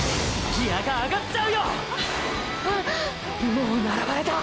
もう並ばれた！！